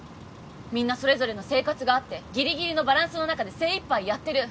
みんなそれぞれの生活があってぎりぎりのバランスの中で精いっぱいやってる。